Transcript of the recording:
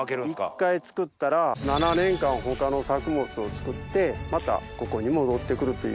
一回作ったら７年間他の作物を作ってまたここに戻ってくるという。